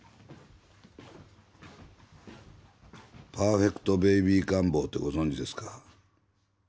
パーフェクトベイビー願望ってご存じですか？